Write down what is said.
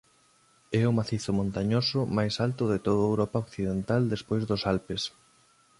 É o macizo montañoso máis alto de toda Europa occidental despois dos Alpes.